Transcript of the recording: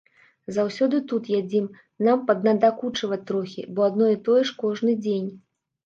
Заўсёды тут ядзім, нам паднадакучыла трохі, бо адно і тое ж кожны дзень.